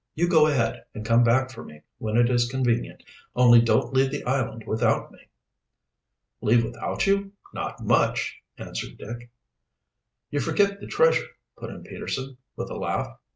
You go ahead, and come back for me when it is convenient. Only don't leave the island without me." "Leave without you? Not much!" answered Dick. "You forget the treasure," put in Peterson, with a laugh.